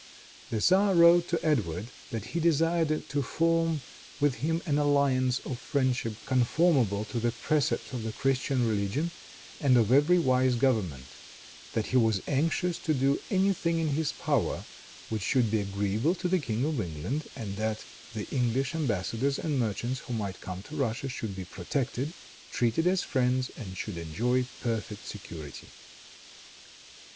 The tzar wrote to Edward that he desired to form with him an alliance of friendship conformable to the precepts of the Christian religion and of every wise government; that he was anxious to do any thing in his power which should be agreeable to the King of England, and that the English embassadors and merchants who might come to Russia should be protected, treated as friends and should enjoy perfect security.